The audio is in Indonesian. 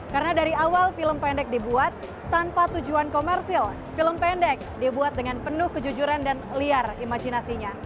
karena dari awal film pendek dibuat tanpa tujuan komersil film pendek dibuat dengan penuh kejujuran dan liar imajinasinya